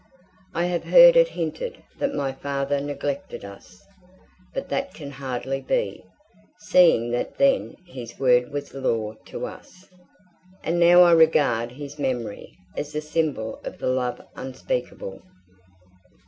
I have heard it hinted that my father neglected us. But that can hardly be, seeing that then his word was law to us, and now I regard his memory as the symbol of the love unspeakable.